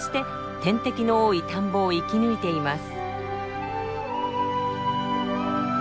天敵の多い田んぼを生き抜いています。